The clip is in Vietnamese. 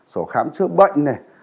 sổ khám chữa bệnh này